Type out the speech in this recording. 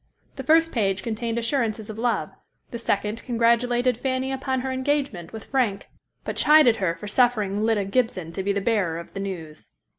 The first page contained assurances of love; the second congratulated Fanny upon her engagement with Frank, but chided her for suffering Lida Gibson to be the bearer of the news.